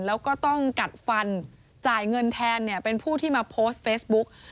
แล้วก็ต้องกัดฟันจ่ายเงินแทนเนี่ยเป็นผู้ที่มาโพสต์เฟซบุ๊ก